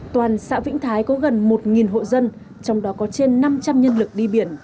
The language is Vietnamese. toàn xã vĩnh thái có gần một hộ dân trong đó có trên năm trăm linh nhân lực đi biển